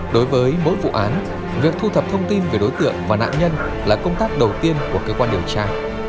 đối với mỗi vụ án việc thu thập thông tin về đối tượng và nạn nhân là công tác đầu tiên của cơ quan điều tra